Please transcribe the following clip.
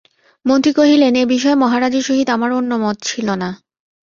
মন্ত্রী কহিলেন, এ-বিষয়ে মহারাজের সহিত আমার অন্য মত ছিল না।